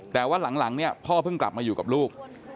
แต่ว่าหลังเนี่ยพ่อเพิ่งกลับมาอยู่กับลูก